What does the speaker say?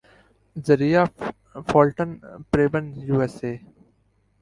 ذریعہ فالٹن پریبن یوایساے